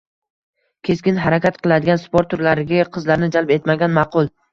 Keskin harakat qilinadigan sport turlariga qizlarni jalb etmagan ma’qul.